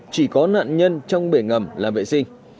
chỉ có nạn nhân trong bể ngầm làm vệ sinh